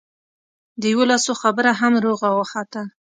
د یوولسو خبره هم دروغه وخته.